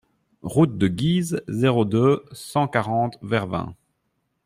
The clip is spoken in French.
Route de Guise, zéro deux, cent quarante Vervins